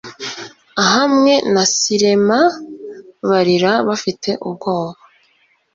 hamwe na sirena barira bafite ubwoba